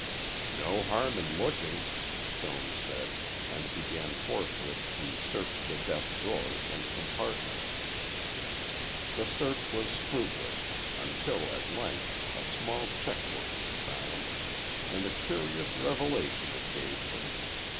"No harm in looking," Stone said, and began forthwith to search the desk drawers and compartments. The search was fruitless, until at length, a small checkbook was found. And a curious revelation it gave them.